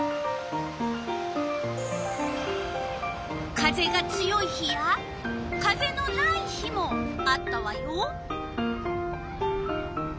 風が強い日や風のない日もあったわよ。